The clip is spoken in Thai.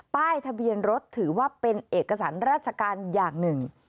ป้ายทะเบียนรถถือว่าเป็นเอกสารราชการอย่างหนึ่ง